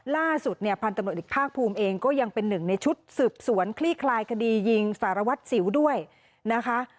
ล่าสุดเนี่ยพันธุ์ตำรวจอีกภาคภูมิเองก็ยังเป็นหนึ่งในชุดสืบสวนคลี่คลายคดียิงสารวัตรสิวด้วยนะคะ